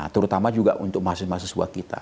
terutama juga untuk mahasiswa mahasiswa kita